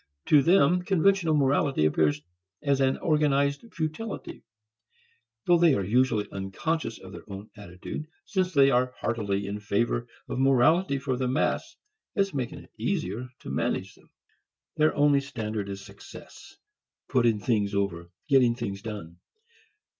To them conventional morality appears as an organized futility; though they are usually unconscious of their own attitude since they are heartily in favor of morality for the mass as making it easier to manage them. Their only standard is success, putting things over, getting things done.